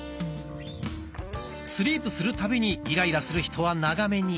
スリープするたびにイライラする人は長めに。